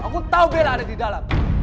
aku tau bella ada di dalam